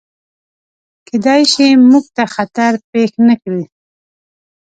کیدای شي، موږ ته خطر پیښ نکړي.